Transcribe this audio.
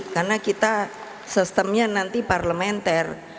karena kita sistemnya nanti parlementer